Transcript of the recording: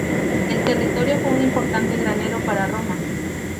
El territorio fue un importante granero para Roma.